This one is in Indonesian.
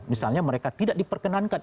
misalnya mereka tidak diperkenankan